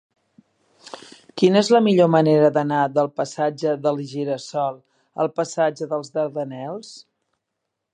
Quina és la millor manera d'anar del passatge del Gira-sol al passatge dels Dardanels?